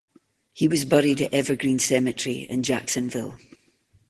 He was buried at Evergreen Cemetery in Jacksonville.